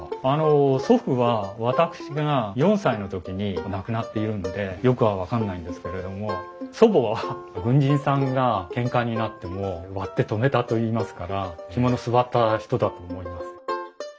祖父は私が４歳の時に亡くなっているのでよくは分かんないんですけれども祖母は軍人さんがけんかになっても割って止めたといいますから肝の据わった人だと思います。